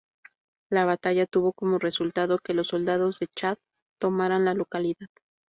La batalla tuvo como resultado que los soldados de Chad tomaran la localidad.